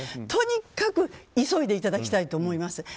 とにかく急いでいただきたいと思います。